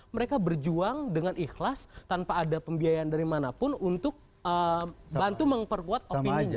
mereka berjuang dengan ikhlas tanpa ada pembiayaan dari mana pun untuk bantu memperkuat opini